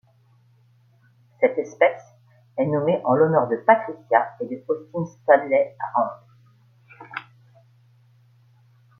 Cette espèce est nommée en l'honneur de Patricia et de Austin Stanley Rand.